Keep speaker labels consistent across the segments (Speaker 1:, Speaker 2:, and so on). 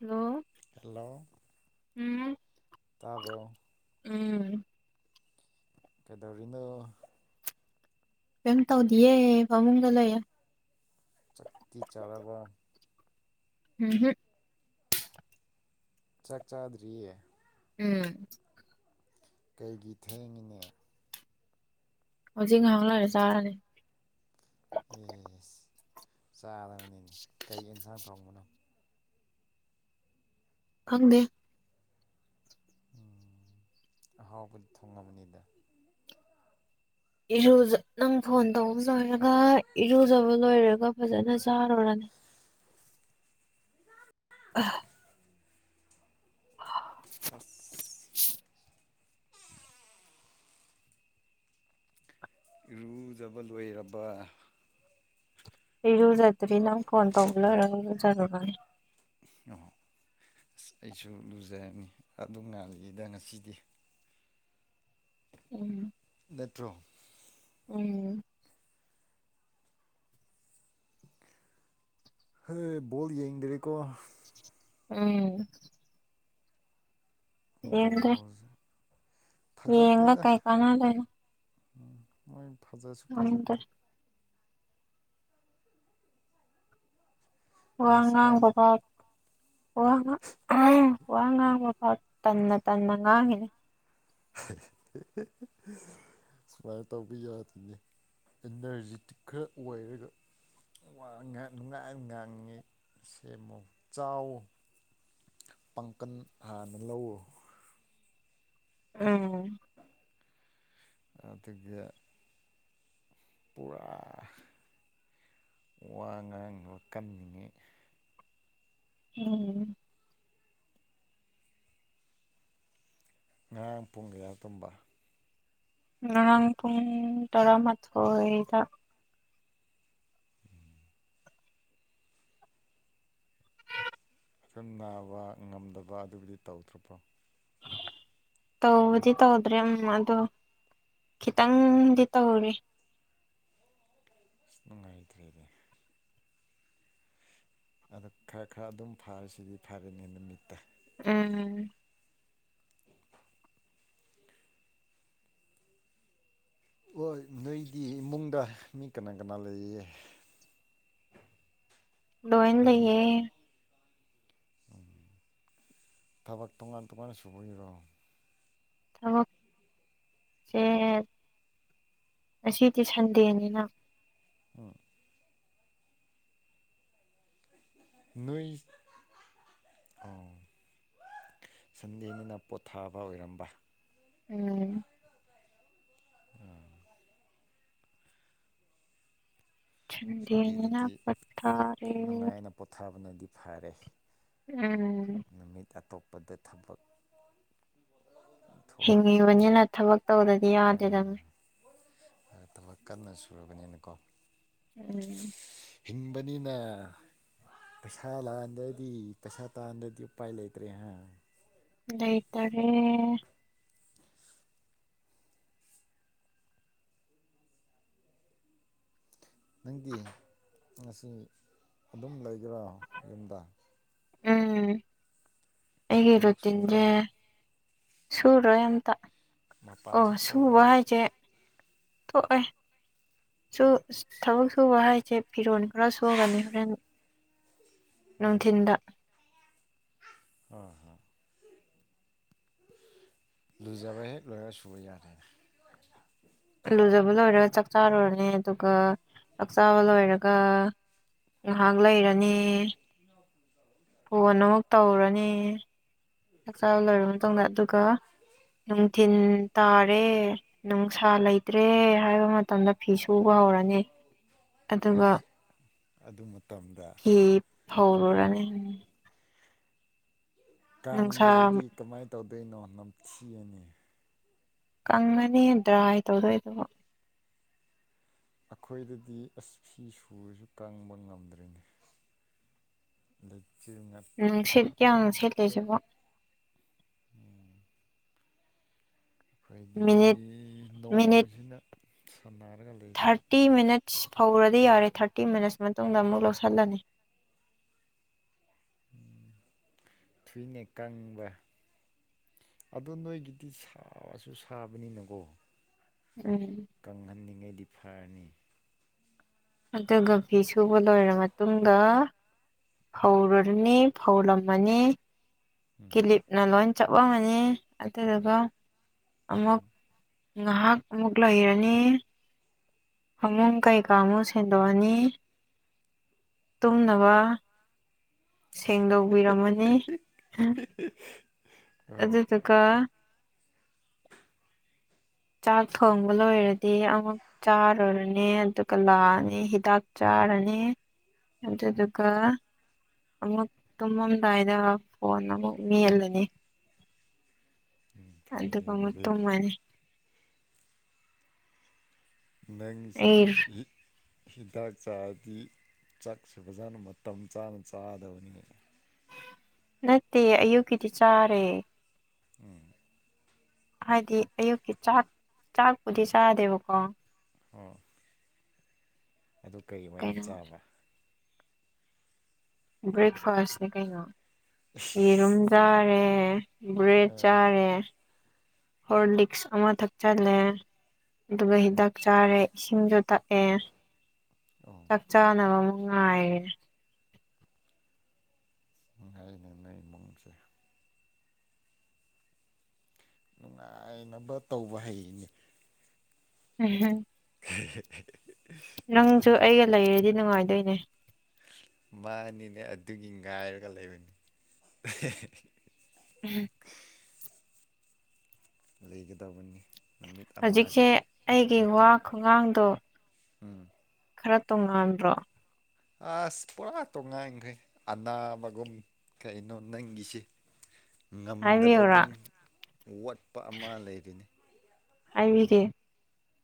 Speaker 1: Hello
Speaker 2: hello
Speaker 1: ꯎꯝ
Speaker 2: ꯇꯥꯕꯔꯣ
Speaker 1: ꯎꯝ
Speaker 2: ꯀꯩꯗꯧꯔꯤꯅꯣ
Speaker 1: ꯀꯩꯝ ꯇꯧꯗꯤꯌꯦ ꯐꯥꯃꯨꯡꯗ ꯂꯩꯌꯦ
Speaker 2: ꯆꯥꯛꯇꯤ ꯆꯥꯔꯕ
Speaker 1: ꯎꯝꯍꯨꯝ
Speaker 2: ꯆꯥꯛ ꯆꯥꯗ꯭ꯔꯤꯌꯦ
Speaker 1: ꯎꯝ
Speaker 2: ꯀꯩꯒꯤ ꯊꯦꯡꯉꯤꯅꯦ
Speaker 1: ꯍꯧꯖꯤꯛ ꯉꯥꯍꯥꯛ ꯂꯩꯔ ꯆꯥꯔꯅꯤ
Speaker 2: ꯑꯦꯁ ꯆꯥꯗꯕꯅꯤꯅꯦ ꯀꯩ ꯑꯦꯟꯁꯥꯡ ꯊꯣꯡꯕꯅꯣ
Speaker 1: ꯈꯪꯗꯦ
Speaker 2: ꯑꯍꯥꯎꯕꯗꯤ ꯊꯣꯡꯉꯝꯅꯤꯗ
Speaker 1: ꯏꯔꯨꯖꯥ ꯅꯪ ꯐꯣꯟ ꯇꯧꯕ ꯂꯣꯏꯔꯒ ꯏꯔꯨꯖꯕ ꯂꯣꯏꯔꯒ ꯐꯖꯅ ꯆꯥꯔꯨꯔꯅꯤ ꯑꯥ
Speaker 2: ꯑꯁ
Speaker 1: [inaudible]
Speaker 2: ꯏꯔꯨꯖꯕ ꯂꯣꯏꯔꯕ
Speaker 1: ꯏꯔꯨꯖꯗ꯭ꯔꯤ ꯅꯪ ꯐꯣꯟ ꯇꯧꯕ ꯂꯣꯏꯔ ꯔꯨꯖꯔꯨꯔꯥ
Speaker 2: ꯑꯍ ꯑꯁ ꯑꯩꯁꯨ ꯂꯨꯖꯔꯅꯤ ꯑꯗꯨ ꯉꯥꯜꯂꯤꯗ ꯉꯁꯤꯗꯤ
Speaker 1: [inaudible]
Speaker 2: ꯅꯠꯇ꯭ꯔꯣ
Speaker 1: ꯎꯝ
Speaker 2: ꯍꯦ ꯕꯣꯜ ꯌꯦꯡꯗ꯭ꯔꯦꯀꯣ
Speaker 1: ꯎꯝ
Speaker 2: ꯕꯣꯖ
Speaker 1: ꯌꯦꯡꯉꯥ ꯀꯩ ꯀꯥꯅꯥꯗꯣꯏꯟ
Speaker 2: ꯃꯣꯏ ꯐꯖꯁꯨ
Speaker 1: ꯉꯝꯗ꯭ꯔꯦ
Speaker 2: ꯐꯖꯗꯦ
Speaker 1: ꯋꯥ
Speaker 2: ꯅꯁꯥ
Speaker 1: ꯉꯥꯡꯕ ꯐꯥꯎ ꯋꯥ ꯉꯥ ꯋꯥ ꯉꯥꯡꯕ ꯐꯥꯎ ꯇꯟꯅꯥ ꯇꯟꯅꯥ ꯉꯡꯉꯤꯅꯦ
Speaker 2: ꯁꯨꯃꯥꯏ ꯇꯧꯕꯤ ꯌꯥꯗꯤꯅꯦ ꯑꯦꯅꯔꯖꯤꯠ ꯈꯔ ꯑꯣꯏꯔꯒ [unintelligible] ꯉꯥꯡꯉꯤ ꯁꯦꯝꯃꯨꯛ ꯆꯥꯎ ꯄꯥꯡꯀꯟ ꯍꯥꯟꯅ ꯂꯧꯔꯣ
Speaker 1: ꯎꯝ
Speaker 2: ꯑꯗꯒꯤ ꯄꯨꯔꯥ ꯋꯥ ꯉꯥꯡ ꯀꯟꯅꯤꯡꯉꯩ
Speaker 1: ꯎꯝ
Speaker 2: ꯉꯔꯥꯡ ꯄꯨꯡ ꯀꯌꯥ ꯇꯨꯝꯕ
Speaker 1: ꯉꯔꯥꯡ ꯄꯨꯡ ꯇꯔꯥꯃꯊꯣꯏ ꯗ
Speaker 2: ꯎꯝ ꯈꯤꯝ ꯅꯥꯕ ꯉꯝꯗꯕ ꯑꯗꯨꯕꯨꯗꯤ ꯇꯧꯗ꯭ꯔꯕꯣ
Speaker 1: ꯇꯧꯕꯗꯤ ꯇꯧꯗ꯭ꯔꯦ ꯑꯃ ꯑꯗꯣ ꯈꯤꯇꯪꯗꯤ ꯇꯧꯔꯤ
Speaker 2: ꯑꯁ ꯅꯨꯡꯉꯥꯏꯇ꯭ꯔꯦꯅ‌ꯦ ꯑꯗ ꯈꯔ ꯈꯔ ꯑꯗꯨꯝ ꯐꯔꯤꯁꯤꯗꯤ ꯐꯔꯦꯅꯦ ꯅꯨꯃꯤꯠꯇ
Speaker 1: ꯎꯝ
Speaker 2: ꯍꯣꯏ ꯅꯣꯏꯗꯤ ꯏꯃꯨꯡꯗ ꯃꯤ ꯀꯅꯥ ꯀꯅꯥ ꯂꯩꯔꯤꯌꯦ [unintelligible]
Speaker 1: ꯂꯣꯏꯅ ꯂꯩꯌꯦ
Speaker 2: ꯎꯝ ꯊꯕꯛ ꯇꯣꯉꯥꯟ ꯇꯣꯉꯥꯟꯅ ꯁꯨꯕꯒꯤꯔꯣ
Speaker 1: ꯊꯕꯛ ꯁꯦ ꯉꯁꯤꯗꯤ ꯁꯟꯗꯦꯅꯤꯅ
Speaker 2: ꯎꯝ ꯅꯣꯏ ꯑꯣ ꯁꯟꯗꯦꯅꯤꯅ ꯄꯣꯊꯥꯕ ꯑꯣꯏꯔꯝꯕ
Speaker 1: ꯎꯝ
Speaker 2: ꯎꯝ
Speaker 1: ꯁꯟꯗ‌ꯦꯅꯤꯅ
Speaker 2: ꯁꯟꯗꯦꯗꯗꯤ
Speaker 1: ꯄꯠꯊꯔꯦ
Speaker 2: ꯅꯨꯡꯉꯥꯏꯅ ꯄꯣꯊꯥꯕꯅꯗꯤ ꯐꯥꯔꯦ
Speaker 1: ꯎꯝ
Speaker 2: ꯅꯨꯃꯤꯠ ꯑꯇꯣꯞꯄꯗ ꯊꯕꯛ [unintelligible]
Speaker 1: ꯍꯤꯡꯉꯤꯕꯅꯤꯅ ꯊꯕꯛ ꯇꯧꯗꯗꯤ ꯌꯥꯗꯦꯗꯅꯤ
Speaker 2: ꯊꯕꯛ ꯀꯟꯅ ꯁꯨꯔꯕꯅꯤꯅꯀꯣ
Speaker 1: ꯎꯝ
Speaker 2: ꯍꯤꯡꯕꯅꯤꯅ ꯄꯩꯁꯥ ꯂꯥꯛꯑꯗ꯭ꯔꯗꯤ ꯄꯩꯁꯥ ꯇꯥꯗ꯭ꯔꯗꯤ ꯎꯄꯥꯏ ꯂꯩꯇ꯭ꯔꯦ ꯍꯥꯏ
Speaker 1: ꯂꯩꯇꯥꯔꯦ
Speaker 2: ꯅꯪꯗꯤ ꯉꯁꯤ ꯑꯗꯨꯝ ꯂꯩꯈꯔꯥ ꯌꯨꯝꯗ
Speaker 1: ꯎꯝ ꯑꯩꯒꯤ
Speaker 2: ꯊꯕꯛ ꯁꯨꯔꯣꯏ
Speaker 1: ꯔꯨꯇꯤꯟꯖ‌ꯦ ꯁꯨꯔꯣꯏ ꯑꯝꯇ
Speaker 2: ꯃꯄꯥꯟꯁꯨ
Speaker 1: ꯑꯣ ꯁꯨꯕ
Speaker 2: ꯊꯣꯛꯑꯔꯣꯏ
Speaker 1: ꯍꯥꯏꯁꯦ ꯇꯣꯛꯑꯦ ꯁꯨ ꯊꯕꯛ ꯁꯨꯕ ꯍꯥꯏꯖꯦ ꯐꯤꯔꯣꯜ ꯈꯔ ꯁꯨꯒꯅꯤ ꯍꯣꯔꯦꯟ ꯅꯨꯡꯊꯤꯟꯗ
Speaker 2: ꯍꯣꯏ ꯍꯣꯏ ꯂꯨꯖꯕ ꯍꯦꯛ ꯂꯣꯏ ꯁꯨꯕ ꯌꯥꯗꯦ
Speaker 1: ꯂꯨꯖꯕ ꯂꯣꯏꯔꯒ ꯆꯥꯛ ꯆꯥꯔꯨꯔꯅꯤ ꯑꯗꯨꯒ ꯆꯥꯛꯆꯥꯥꯕ ꯂꯣꯏꯔꯒ ꯉꯥꯍꯥꯛ ꯂꯩꯔꯅꯤ ꯐꯣꯟ ꯑꯃꯨꯛ ꯇꯧꯔꯅꯤ ꯆꯥꯛꯆꯥꯔ ꯂꯣꯏꯔꯕ ꯃꯇꯨꯡꯗ ꯑꯗꯨꯒ ꯅꯨꯡꯊꯤꯟ ꯇꯥꯔꯦ ꯅꯨꯡꯁꯥ ꯂꯩꯇ꯭ꯔꯦ ꯍꯥꯏꯕ ꯃꯇꯝꯗ ꯐꯤ ꯁꯨꯕ ꯍꯧꯔꯅꯤ ꯑꯗꯨꯒ
Speaker 2: ꯏꯁ ꯑꯗꯨ ꯃꯇꯝꯗ
Speaker 1: ꯐꯤ ꯐꯧꯔꯨꯔꯅꯤ ꯅꯨꯡꯁꯥ
Speaker 2: ꯀꯥꯡꯗ꯭ꯔꯗꯤ ꯀꯃꯥꯏꯅ ꯇꯧꯗꯣꯏꯅꯣ ꯅꯝꯊꯤꯑꯅꯤ
Speaker 1: ꯀꯪꯉꯅꯤ ꯗ꯭ꯔꯥꯏ ꯇꯧꯗꯣꯏꯕꯨ
Speaker 2: ꯑꯩꯈꯣꯏꯗꯗꯤ ꯑꯁ ꯐꯤ ꯁꯨꯔꯁꯨ ꯀꯪꯕ ꯉꯝꯗ꯭ꯔꯦꯅꯤ ꯂꯩꯆꯤꯜ ꯉꯥꯠ
Speaker 1: ꯅꯨꯡꯁꯤꯠ ꯀꯌꯥꯝ ꯁꯤꯠꯂꯤꯁꯤꯕꯣ
Speaker 2: ꯎꯝ ꯑꯩꯈꯣꯏꯗꯤ
Speaker 1: ꯃꯤꯅꯤꯠ ꯃꯤꯅꯤꯠ
Speaker 2: ꯅꯣꯡꯖꯤꯅ ꯁꯥꯟꯅꯔꯒꯥ ꯂꯩꯕ
Speaker 1: ꯇꯤ ꯃꯤꯅꯠꯁ ꯐꯧꯔꯗꯤ ꯌꯥꯔꯦ ꯊꯥꯔꯇꯤ ꯃꯤꯅꯠꯁ ꯃꯇꯨꯡꯗ ꯑꯃꯨꯛ ꯂꯧꯁꯜꯂꯅꯤ
Speaker 2: ꯊꯨꯏꯅꯦ ꯀꯪꯕ ꯑꯗꯣ ꯅꯣꯏꯒꯤꯗꯤ ꯁꯥꯁꯨ ꯁꯥꯕꯅꯤꯅ ꯀꯣ
Speaker 1: ꯎꯝ
Speaker 2: ꯀꯪꯍꯟꯅꯤꯡꯉꯩꯗꯤ ꯐꯔꯅꯤ
Speaker 1: ꯑꯗꯨꯒ ꯐꯤ ꯁꯨꯕ ꯂꯣꯏꯔ ꯃꯇꯨꯡꯗ ꯐꯧꯔꯨꯔꯅꯤ ꯐꯧꯂꯝꯃꯅꯤ
Speaker 2: ꯎꯝ
Speaker 1: ꯀꯤꯂꯤꯞꯅ ꯂꯣꯏ ꯆꯠꯂꯝꯃꯅꯤ ꯑꯗꯨꯗꯨꯒ ꯑꯃꯨꯛ ꯉꯥꯍꯥꯛ ꯑꯃꯨꯛ ꯂꯩꯔꯅꯤ ꯐꯃꯨꯡ ꯀꯩꯀꯥꯃꯨꯛ ꯁꯦꯡꯗꯣꯛꯑꯅꯤ ꯇꯨꯝꯅꯕ ꯁꯦꯡꯗꯣꯛꯄꯤꯔꯝꯃꯅꯤ
Speaker 2: [unintelligible] ꯍꯣꯏ
Speaker 1: ꯑꯗꯨꯗꯨꯒ ꯆꯥꯛ ꯊꯣꯡꯕ ꯂꯣꯏꯔꯗꯤ ꯑꯃꯨꯛ ꯆꯥꯔꯨꯔꯅꯤ ꯑꯗꯨ ꯒꯂꯥꯛꯑꯅꯤ ꯍꯤꯗꯥꯛ ꯆꯥꯔꯅꯤ ꯑꯗꯨꯗꯨꯒ ꯑꯃꯨꯛ ꯇꯨꯝꯃꯝꯗꯥꯏꯗ ꯐꯣꯟ ꯑꯃꯨꯛ ꯃꯦꯜꯂꯅꯤ
Speaker 2: ꯎꯝ ꯐꯥꯏꯅꯦ
Speaker 1: ꯑꯗꯨꯒ ꯑꯃꯨꯛ
Speaker 2: ꯑꯗꯨꯗꯤ
Speaker 1: ꯇꯨꯝꯃꯅꯤ ꯑꯩ
Speaker 2: ꯅꯪꯁꯤꯗꯤ ꯏ ꯍꯤꯗꯥꯛ ꯆꯥꯔꯗꯤ ꯆꯥꯛꯁꯨ ꯐꯖꯅ ꯃꯇꯝ ꯆꯥꯅ ꯆꯥꯗꯧꯕꯅꯤꯅꯦ
Speaker 1: ꯅꯠꯇꯦ ꯑꯌꯨꯛꯀꯤꯗꯤ ꯆꯥꯔꯦ
Speaker 2: ꯎꯝ
Speaker 1: ꯍꯥꯏꯗꯤ ꯑꯌꯨꯛꯀꯤ ꯆꯥꯛ ꯆꯥꯛꯄꯨꯗꯤ ꯆꯥꯗꯦꯕꯀꯣ
Speaker 2: ꯑꯥ ꯑꯗꯨ ꯀꯩꯑꯣꯏꯅ
Speaker 1: ꯀꯩꯅꯣ
Speaker 2: ꯆꯥꯕ
Speaker 1: ꯕ꯭ꯔꯦꯛꯐꯥꯁꯅꯤ ꯀꯩꯅꯣ ꯌꯦꯔꯨꯝ ꯖꯥꯔꯦ ꯕ꯭ꯔꯦꯗ
Speaker 2: ꯑꯦ
Speaker 1: ꯆꯥꯔꯦ ꯍꯣꯔꯂꯤꯛꯁ ꯑꯃ ꯊꯛꯆꯜꯂꯦ ꯑꯗꯨꯒ ꯍꯤꯗꯥꯛ ꯆꯥꯔꯦ ꯏꯁꯤꯡꯖꯨ ꯊꯛ ꯑꯦ
Speaker 2: ꯑꯣ
Speaker 1: ꯆꯥꯛ ꯆꯥꯅꯕ ꯑꯃꯨꯛ ꯉꯥꯏꯔꯦ
Speaker 2: ꯅꯨꯡꯉꯥꯏꯅꯦ ꯅꯣꯏ ꯏꯃꯨꯡꯁꯦ ꯅꯨꯡꯉꯥꯏꯅꯕ ꯇꯧꯕ ꯍꯩꯅꯦ
Speaker 1: [unintelligible]
Speaker 2: [unintelligible]
Speaker 1: ꯅꯪꯁꯨ ꯑꯩꯒ ꯂꯩꯔꯗꯤ ꯅꯨꯡꯉꯥꯏꯗꯣꯏꯅꯦ
Speaker 2: ꯃꯥꯟꯅꯤꯅꯦ ꯑꯗꯨꯒꯤ ꯉꯥꯏꯔꯒ ꯂꯩꯕꯅꯤ
Speaker 1: [unintelligible]
Speaker 2: ꯂꯩꯒꯗꯧꯕꯅꯤ
Speaker 1: ꯍꯧꯖꯤꯛꯁꯦ ꯑꯩꯒꯤ ꯋꯥ ꯈꯨꯉꯥꯡꯗꯣ
Speaker 2: ꯎꯝ
Speaker 1: ꯈꯔ ꯇꯣꯡꯉꯥꯟꯕ꯭ꯔꯣ
Speaker 2: ꯑꯁ ꯄꯨꯔꯥ ꯇꯣꯉꯥꯟꯈ꯭ꯔꯦ ꯑꯅꯥꯕꯒꯨꯝ ꯀꯩꯅꯣ ꯅꯪꯒꯤꯁꯤ
Speaker 1: ꯍꯥꯏꯕꯤꯌꯨꯔꯥ
Speaker 2: ꯉꯝꯗꯕꯒꯨꯝ ꯋꯥꯠꯄ ꯑꯃ ꯂꯩꯔꯤꯅꯦ
Speaker 1: ꯍꯥꯏꯕꯤꯒꯦ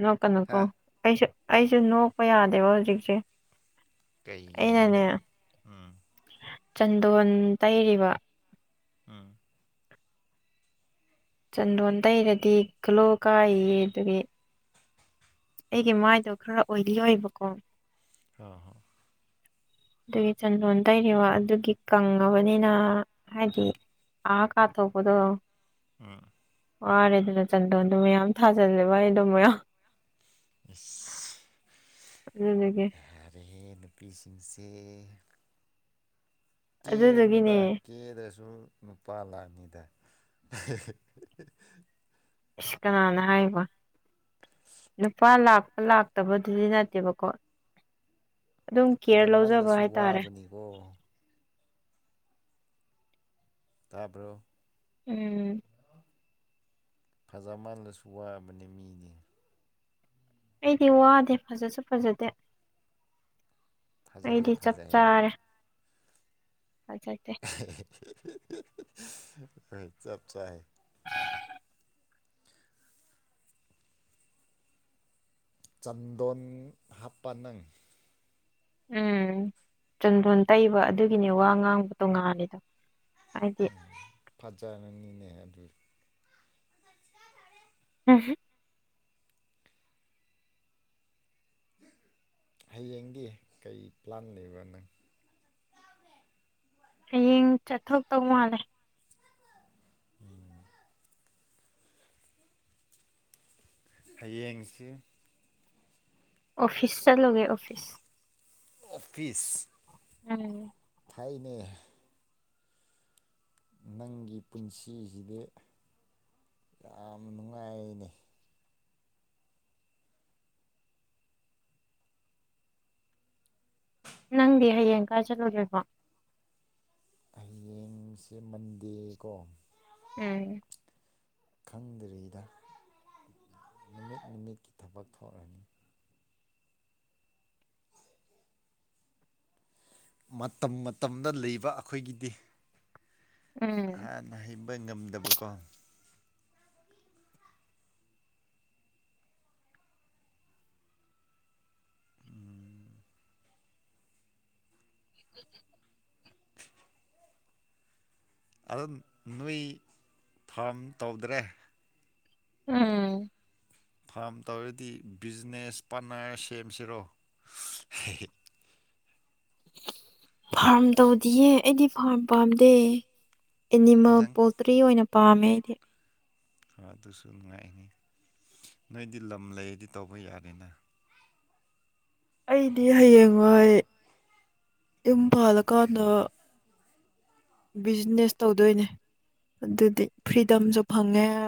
Speaker 1: ꯅꯣꯛꯀꯅꯨꯀꯣ
Speaker 2: ꯍꯥ
Speaker 1: ꯑꯩꯁꯨ ꯑꯩꯁꯨ ꯅꯣꯛꯄ ꯌꯥꯗꯦꯕ ꯍꯧꯖꯤꯛꯁꯦ ꯑꯩꯅꯅꯦ
Speaker 2: ꯀꯩꯒꯤꯅꯣꯅꯦ ꯎꯝ
Speaker 1: ꯆꯟꯗꯣꯟ ꯇꯩꯔꯤꯕ
Speaker 2: ꯎꯝ
Speaker 1: ꯆꯟꯗꯣꯟ ꯇꯩꯔꯗꯤ ꯒ꯭ꯂꯣ ꯀꯥꯏꯌꯦ ꯑꯗꯨꯒꯤ ꯑꯩꯒꯤ ꯃꯥꯏꯗꯣ ꯈꯔ ꯑꯣꯏꯂꯤ ꯑꯣꯏꯌꯦꯕꯀꯣ
Speaker 2: ꯑꯥ ꯍꯣ
Speaker 1: ꯑꯗꯨꯒꯤ ꯆꯟꯗꯣꯟ ꯇꯩꯔꯤꯕ ꯑꯗꯨꯒꯤ ꯀꯪꯉꯕꯅꯤꯅ ꯍꯥꯏꯗꯤ ꯑꯥ ꯀꯥꯊꯣꯛꯄꯗꯣ
Speaker 2: ꯑꯝ
Speaker 1: ꯋꯥꯔꯦ ꯑꯗꯨꯅ ꯆꯟꯗꯣꯟꯗꯨ ꯃꯌꯥꯝ ꯊꯥꯖꯜꯂꯦꯕ ꯑꯩ ꯑꯗꯨ ꯃꯌꯥꯝ
Speaker 2: ꯍꯁ
Speaker 1: ꯑꯗꯨꯗꯨꯒꯤ
Speaker 2: ꯌꯥꯔꯦꯍꯦ ꯅꯨꯄꯤꯁꯤꯡꯁꯦ ꯀꯦꯔꯨꯅꯨꯗ
Speaker 1: ꯑꯗꯨꯗꯨꯒꯤꯅꯦ
Speaker 2: ꯀꯦꯗ꯭ꯔꯁꯨ ꯅꯨꯄꯥ ꯂꯥꯛꯅꯤꯗ
Speaker 1: ꯏꯁ ꯀꯅꯥꯅ ꯍꯥꯏꯔꯤꯕ ꯂꯨꯄꯥ ꯂꯥꯛꯄ ꯂꯥꯛꯇꯕꯗꯨꯗꯤ ꯅꯠꯇꯦꯕꯀꯣ ꯑꯗꯨꯝ ꯀꯦꯌꯔ ꯂꯧꯖꯕ ꯍꯥꯏꯇꯥꯔꯦ
Speaker 2: ꯑꯣ ꯇꯥꯕ꯭ꯔꯣ
Speaker 1: ꯎꯝ
Speaker 2: ꯐꯖ ꯃꯥꯜꯂꯁꯨ ꯋꯥꯕꯅꯦ ꯃꯤꯗꯤ
Speaker 1: ꯑꯩꯗꯤ ꯋꯥꯗꯦ ꯐꯖꯁꯨ ꯐꯖꯗꯦ ꯑꯩꯗꯤ
Speaker 2: ꯐꯖꯩꯌꯦ
Speaker 1: ꯆꯞ
Speaker 2: ꯐꯖꯩꯌꯦ
Speaker 1: ꯆꯥꯔꯦ ꯐꯖꯗꯦ
Speaker 2: ꯍꯣꯢ ꯆꯞ ꯆꯥꯔꯦ ꯆꯥꯟꯗꯣꯟ ꯍꯥꯞꯄ ꯅꯪ
Speaker 1: ꯎꯝ ꯆꯟꯗꯣꯟ ꯇꯩꯕ ꯑꯗꯨꯒꯤꯅꯦ ꯋꯥ ꯉꯥꯡꯕ ꯇꯣꯉꯥꯜꯂꯤꯗꯣ
Speaker 2: ꯐꯖꯔꯅꯤꯅꯦ ꯑꯗꯨꯗꯤ
Speaker 1: ꯎꯝ ꯍꯝ
Speaker 2: ꯍꯌꯦꯡꯒꯤ ꯀꯩ ꯄ꯭ꯂꯥꯟ ꯂꯩꯕ ꯅꯪ
Speaker 1: ꯍꯌꯦꯡ ꯆꯠꯊꯣꯛꯇꯧ ꯃꯥꯜꯂꯦ
Speaker 2: ꯎꯝ [inaudible] ꯍꯌꯦꯡꯁꯤ
Speaker 1: ꯑꯣꯐꯤꯁ ꯆꯠꯂꯨꯒꯦ ꯑꯣꯐꯤꯁ
Speaker 2: ꯑꯣꯐꯤꯁ
Speaker 1: ꯎꯝ
Speaker 2: ꯐꯩꯅꯦ ꯅꯪꯒꯤ ꯄꯨꯟꯁꯤꯁꯤꯗꯤ ꯌꯥꯝꯅ ꯅꯨꯡꯉꯥꯏꯅꯦ
Speaker 1: ꯅꯪꯗꯤ ꯍꯌꯦꯡ ꯀꯥꯏ ꯆꯠꯂꯨꯗꯣꯏꯕ
Speaker 2: ꯍꯌꯦꯡꯁꯦ ꯃꯟꯗꯦꯀꯣ
Speaker 1: ꯎꯝ
Speaker 2: ꯈꯪꯗ꯭ꯔꯤꯗ ꯅꯨꯃꯤꯠ ꯅꯨꯃꯤꯠꯀꯤ ꯊꯕꯛ ꯊꯣꯛꯂꯅꯤ ꯃꯇꯝ ꯃꯇꯝꯗ ꯂꯩꯕ ꯑꯩꯈꯣꯏꯒꯤꯗꯤ꯫
Speaker 1: ꯎꯝ
Speaker 2: ꯑꯥꯍꯩꯕ ꯉꯝꯗꯕꯀꯣ꯫ ꯎꯝ--꯫
Speaker 1: [inaudible] ꯫
Speaker 2: ꯑꯗꯨ ꯅꯣꯏ ꯐꯥꯔꯝ ꯇꯧꯗ꯭ꯔꯦ꯫
Speaker 1: ꯎꯝ--꯫
Speaker 2: ꯐꯥꯔꯝ ꯇꯧꯔꯗꯤ ꯕꯤꯖꯤꯅꯦꯁ ꯄꯥꯔꯠꯅꯔ ꯁꯦꯝꯁꯤꯔꯣ꯫
Speaker 1: ꯐꯥꯔꯝ ꯇꯧꯗꯤꯌꯦ ꯑꯩꯗꯤ ꯐꯥꯔꯝ ꯄꯥꯝꯗꯦ ꯑꯦꯅꯤꯃꯦꯜ
Speaker 2: ꯅꯪ
Speaker 1: ꯄꯣ--꯫ ꯐ꯭ꯔꯤ ꯑꯣꯏꯅ ꯄꯥꯝꯃꯦ ꯑꯩꯗꯤ꯫
Speaker 2: ꯑꯗꯨꯁꯨ ꯅꯨꯡꯉꯥꯏꯅꯤ ꯅꯣꯏꯗꯤ ꯂꯝ ꯂꯩꯔꯗꯤ ꯇꯧꯕ ꯌꯥꯔꯦꯅ꯫
Speaker 1: ꯑꯩꯗꯤ ꯍꯌꯦꯡꯋꯥꯏ ꯌꯨꯝ ꯄꯥꯜꯂꯀꯥꯟꯗ--꯫ ꯕꯤꯖꯤꯅꯦꯁ ꯇꯧꯗꯣꯏꯅꯦ ꯑꯗꯨꯗꯤ ꯐ꯭ꯔꯤꯗꯝꯁꯨ ꯐꯪꯉꯦ꯫